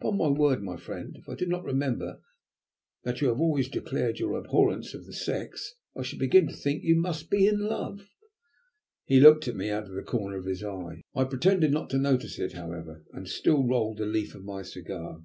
Upon my word, my friend, if I did not remember that you have always declared your abhorrence of the Sex, I should begin to think you must be in love." He looked at me out of the corner of his eye. I pretended not to notice it, however, and still rolled the leaf of my cigar.